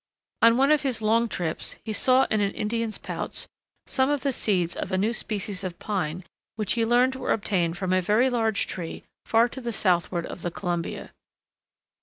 On one of his long trips he saw in an Indian's pouch some of the seeds of a new species of pine which he learned were obtained from a very large tree far to the southward of the Columbia.